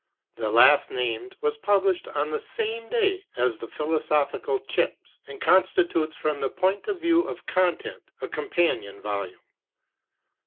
The last named was published on the same day as the Philosophical Chips, and constitutes, from the point of view of content, a companion volume.